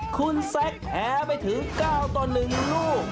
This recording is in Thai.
คุณแซคแพ้ไปถึง๙ต่อ๑ลูก